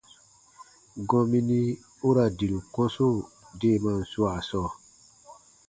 Gɔmini u ra diru kɔ̃su deemaan swaa sɔɔ,